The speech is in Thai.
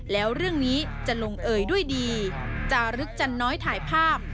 แล้วเรื่องนี้จะลงเอยด้วยดีจารึกจันน้อยถ่ายภาพ